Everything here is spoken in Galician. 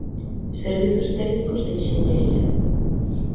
Servizos técnicos de enxeñaría.